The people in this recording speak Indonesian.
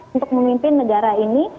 untuk memimpin negara ini